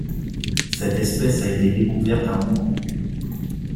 Cette espèce a été découverte à Hong Kong.